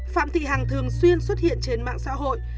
phạm thị hằng thường xuyên xuất hiện trên mạng xã hội